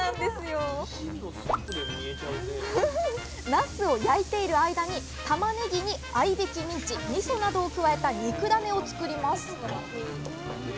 なすを焼いている間にたまねぎに合いびきミンチみそなどを加えた肉だねを作ります。